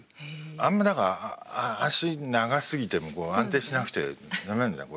あんまだから脚長すぎても安定しなくて駄目なんじゃない？